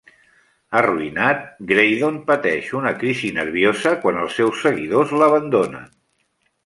Arruïnat, Graydon pateix una crisi nerviosa quan els seus seguidors l'abandonen.